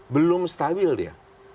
belum stabil dia